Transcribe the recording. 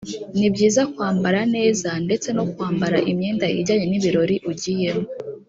ni byiza kwambara neza ndetse no kwambara imyenda ijyanye n‘ibirori ugiyemo